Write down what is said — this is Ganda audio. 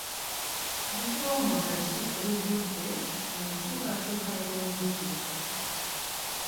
Bisoomooza ki ebivudde mu nkyukakyuka y'obudde?